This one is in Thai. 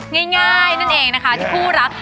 ง่ายนั่นเองนะคะที่คู่รัก